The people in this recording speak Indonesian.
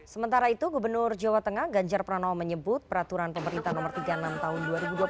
sementara itu gubernur jawa tengah ganjar pranowo menyebut peraturan pemerintah nomor tiga puluh enam tahun dua ribu dua puluh satu